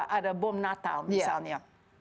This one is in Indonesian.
ada bom natal misalnya